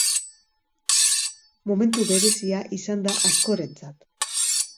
Momentu berezia izan da askorentzat.